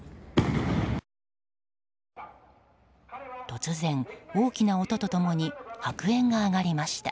突然、大きな音と共に白煙が上がりました。